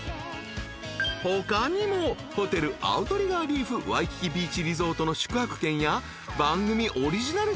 ［他にもホテルアウトリガー・リーフ・ワイキキ・ビーチ・リゾートの宿泊券や番組オリジナルＴシャツゲットのチャンス］